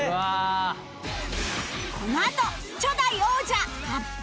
このあと初代王者発表！